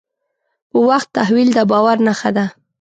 په وخت تحویل د باور نښه ده.